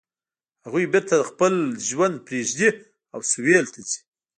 هغوی بیرته خپل ژوند پریږدي او سویل ته ځي